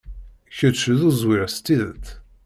Kečč d uẓwir s tidet.